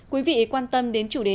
quý vị quan tâm đến chủ đề